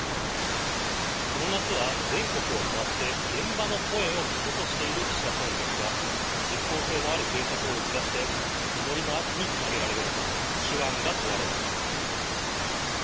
この夏は全国を回って、現場の声を聞くとしている岸田総理ですが、実効性のある政策を打ち出して、実りの秋につなげられるのか、手腕が問われます。